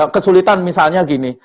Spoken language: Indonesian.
kesulitan misalnya gini